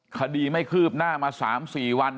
คดีไม่คืบหน้ามา๓๔วัน